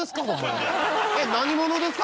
何者ですか？